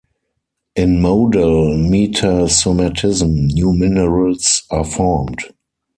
In modal metasomatism, new minerals are formed.